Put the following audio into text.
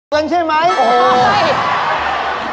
เป็นใช่ไหมโอ้โฮ